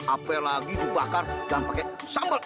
apa lagi dibakar dan pake sambal